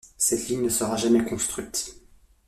Cette ligne ne sera jamais construite.